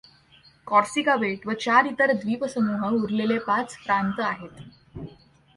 Corsica बेट व चार इतर द्वीपसमूह उरलेले पाच प्रांत आहेत.